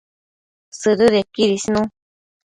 Sëdëdequid isnu